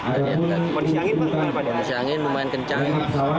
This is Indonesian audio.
kondisi angin lumayan kencang